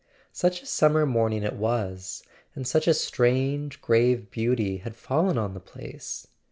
Such a summer morning it was—and such a strange grave beauty had fallen on the place!